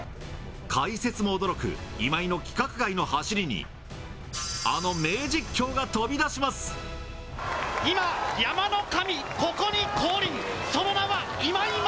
解説も驚く今井の規格外の走りに、今、山の神、ここに降臨。